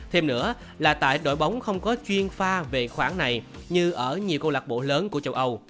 thêm nữa là tại đội bóng không có chuyên pha về khoảng này như ở nhiều câu lạc bộ lớn của châu âu